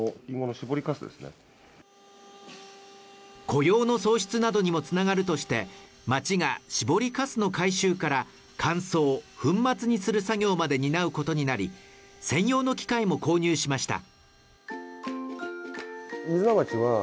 雇用の創出などにもつながるとして町が搾りかすの回収から乾燥粉末にする作業まで担うことになり専用の機械も購入しました